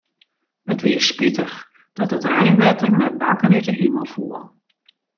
It wie spitich dat it reinwetter mei bakken út 'e himel foel.